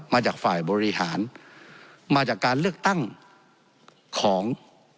มาจากฝ่ายบริหารมาจากการเลือกตั้งของ